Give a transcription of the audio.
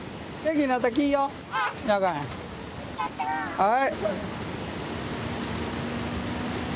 はい。